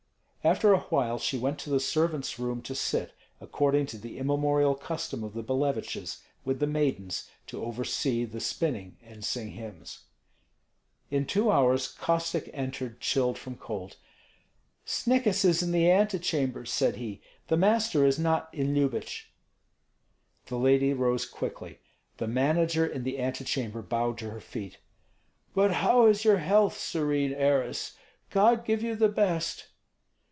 After a while she went to the servants' room to sit, according to the immemorial custom of the Billeviches, with the maidens to oversee the spinning and sing hymns. In two hours Kostek entered, chilled from cold. "Znikis is in the antechamber," said he. "The master is not in Lyubich." The lady rose quickly. The manager in the antechamber bowed to her feet. "But how is your health, serene heiress? God give you the best."